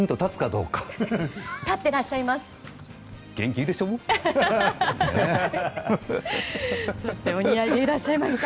立ってらっしゃいます。